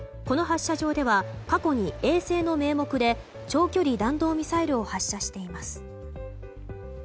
この発射場では過去に衛星の名目で長距離弾道ミサイルを発射しています。